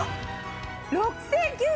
６９８０円！